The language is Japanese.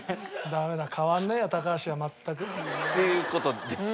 ダメだ変わんねえよ高橋は全く。っていう事です。